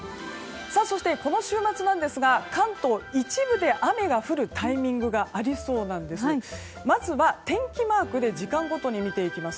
そして、この週末なんですが関東の一部で雨が降るタイミングがありそうなんです。